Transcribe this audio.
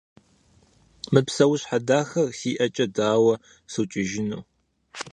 Мы псэущхьэ дахэр си ӀэкӀэ дауэ сукӀыжыну?